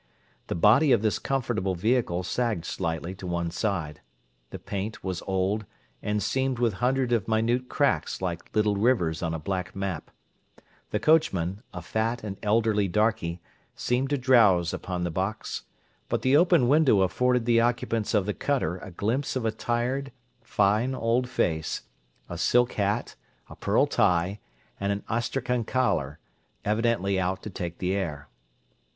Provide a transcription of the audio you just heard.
The body of this comfortable vehicle sagged slightly to one side; the paint was old and seamed with hundreds of minute cracks like little rivers on a black map; the coachman, a fat and elderly darky, seemed to drowse upon the box; but the open window afforded the occupants of the cutter a glimpse of a tired, fine old face, a silk hat, a pearl tie, and an astrachan collar, evidently out to take the air.